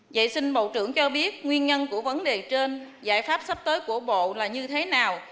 vậy xin bộ trưởng cho biết nguyên nhân của vấn đề trên giải pháp sắp tới của bộ là như thế nào